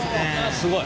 すごい。